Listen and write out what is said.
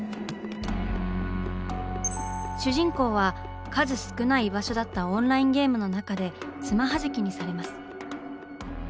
主人公は数少ない居場所だったオンラインゲームの中でつまはじきにされます。